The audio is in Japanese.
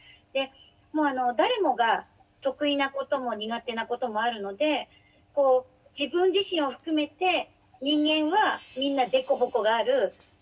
でもう誰もが得意なことも苦手なこともあるのでこう自分自身を含めて人間はみんな凸凹がある。